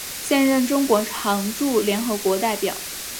现任中国常驻联合国代表。